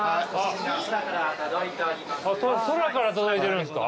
空から届いてるんですか？